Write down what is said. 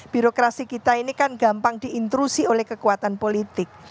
birokrasi kita ini kan gampang diintrusi oleh kekuatan politik